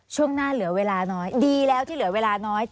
ช่วงหน้าเหลือเวลาน้อยดีแล้วที่เหลือเวลาน้อย